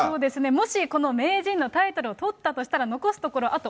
もしこの名人のタイトルを取ったとしたら、残すところあと